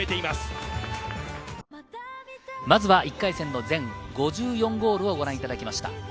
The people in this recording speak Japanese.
まずは１回戦の全５４ゴールをご覧いただきました。